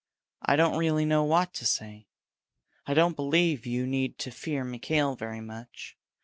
"I don't really know what to say. I don't believe you need to fear Mikail very much.